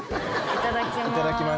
いただきます。